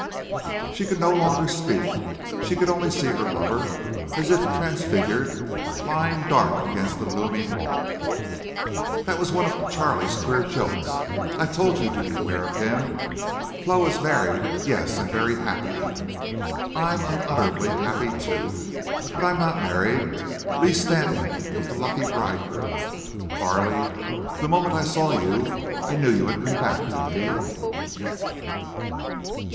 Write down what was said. She could no longer speak. She could only see her lover, as if transfigured, limned dark against the looming red wall. "That was one of Charley's queer jokes. I told you to beware of him. Flo is married, yes—and very happy.... I'm unutterably happy, too—but I'm not married. Lee Stanton was the lucky bridegroom.... Carley, the moment I saw you I knew you had come back to me."